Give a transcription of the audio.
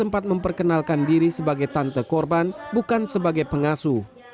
sempat memperkenalkan diri sebagai tante korban bukan sebagai pengasuh